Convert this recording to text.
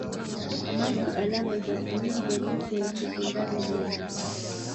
maji alama za bluu za mito ya sekondari na